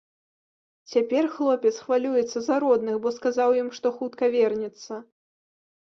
Цяпер хлопец хвалюецца за родных, бо сказаў ім, што хутка вернецца.